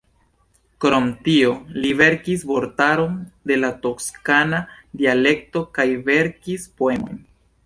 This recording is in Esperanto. Krom tio, li verkis vortaron de la toskana dialekto kaj verkis poemojn.